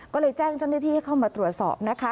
ก็เลยแจ้งเจ้าหน้าที่ให้เข้ามาตรวจสอบนะคะ